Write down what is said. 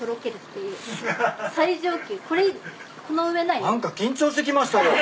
何か緊張してきましたよ。